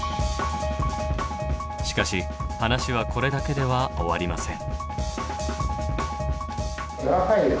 しかし話はこれだけでは終わりません。